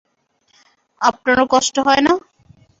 আপনারও কষ্ট হয় না?